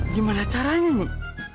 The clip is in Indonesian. gimana caranya nek